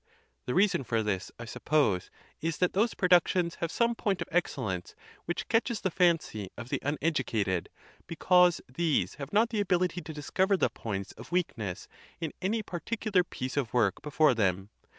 The reason for this, I suppose, is that those productions have some point of excellence which catches the fancy of the uneducated, because these have not the ability to discover the points of weakness in any particular piece of work before them.